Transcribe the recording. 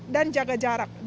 dan jaga jarak